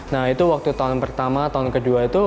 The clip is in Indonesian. nah itu waktu tahun pertama tahun kedua itu